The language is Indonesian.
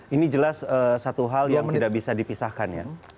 ini jelas satu hal yang tidak bisa dipisahkan ya